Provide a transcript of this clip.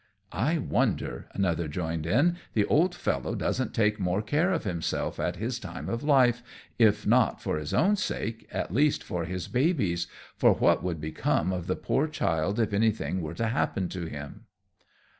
"I wonder," another joined in, "the old fellow doesn't take more care of himself at his time of life, if not for his own sake, at least for his baby's, for what would become of the poor child if anything were to happen to him?"